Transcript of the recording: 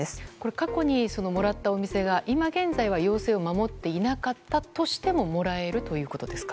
過去にもらったお店が今現在は要請を守っていなかったとしてももらえるということですか？